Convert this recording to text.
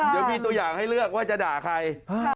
เดี๋ยวมีตัวอย่างให้เลือกว่าจะด่าใคร